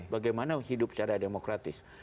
bagaimana hidup secara demokratis